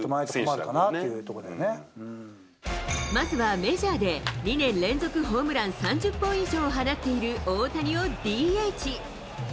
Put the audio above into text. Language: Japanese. まずはメジャーで、２年連続ホームラン３０本以上を放っている大谷をＤＨ。